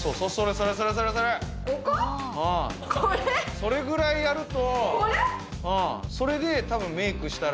それぐらいやると。